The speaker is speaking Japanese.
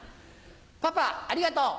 パパありがとう。